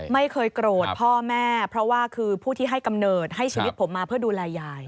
ไม่เคยโกรธพ่อแม่เพราะว่าคือผู้ที่ให้กำเนิดให้ชีวิตผมมาเพื่อดูแลยาย